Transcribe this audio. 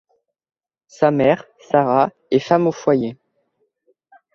Sa mère, Sara, est femme au foyer.